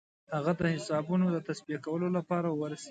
هغه د حسابونو د تصفیه کولو لپاره ورسي.